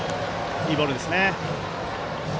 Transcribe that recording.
いいボールですね。